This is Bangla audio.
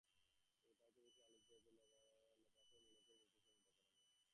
তবে তার চেয়ে বেশি আলোচিত হয়েছে ল্যাবাফের মোড়কের মুখোশে মুখ ঢাকার রহস্য।